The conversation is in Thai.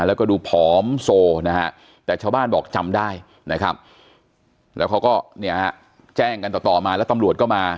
แล้วก็ดูผอมโซนะฮะแต่ชาวบ้านบอกจำได้นะครับแล้วเขาก็เนี่ยแจ้งกันต่อมาแล้วตำรวจก็มา